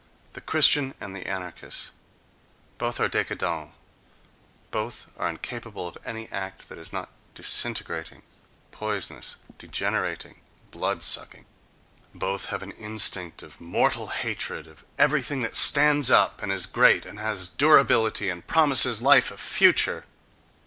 The Christian and the anarchist: both are décadents; both are incapable of any act that is not disintegrating, poisonous, degenerating, blood sucking; both have an instinct of mortal hatred of everything that stands up, and is great, and has durability, and promises life a future....